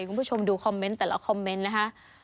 คุณผู้ชมดูคอมเมนต์แต่ละคอมเมนต์นะคะ